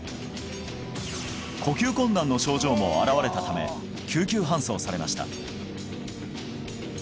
呼吸困難の症状も現れたため救急搬送されました